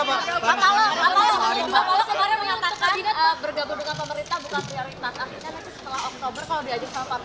pak palo pak palo sebenarnya menyatakan bergabung dengan pemerintah bukan pria rikmat